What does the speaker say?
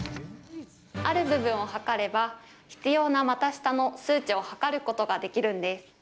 ある部分を測れば必要な股下の数値を測ることができるんです。